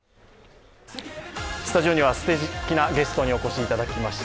スタジオには、すてきなゲストにお越しいただきました。